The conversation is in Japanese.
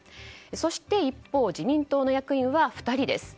そして一方自民党の役員は２人です。